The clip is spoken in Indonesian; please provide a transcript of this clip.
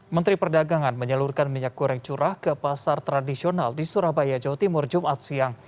menteri perdagangan menyalurkan minyak goreng curah ke pasar tradisional di surabaya jawa timur jumat siang